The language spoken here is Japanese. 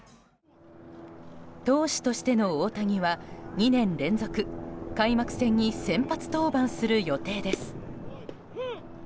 投手としての大谷は２年連続、開幕戦に先発登板する予定です。